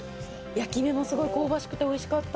焼き目もすごい香ばしくて美味しかった。